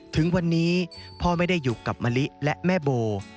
ถึงวันนี้พ่อไม่ได้อยู่กับมะลิและแม่โบ